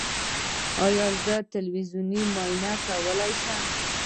ایا زه تلویزیوني معاینه کولی شم؟